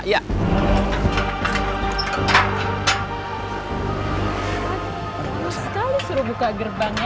terus sekali suruh buka gerbangnya